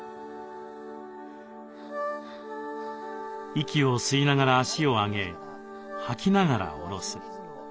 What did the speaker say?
息を吸いながら足を上げ吐きながら下ろす。